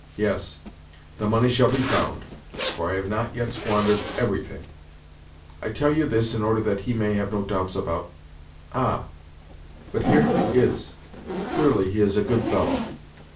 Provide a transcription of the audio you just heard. Yes, the money shall be found, for I have not yet squandered everything. I tell you this in order that he may have no doubts about—Ah, but here he is! Clearly he is a good fellow."